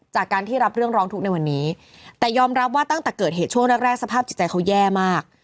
จากการที่รับเรื่องร้องทุกข์ในวันนี้แต่ยอมรับว่าตั้งแต่เกิดเหตุช่วงแรกแรกสภาพจิตใจเขาแย่มาก